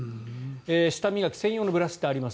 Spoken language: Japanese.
舌磨き専用のブラシがあります。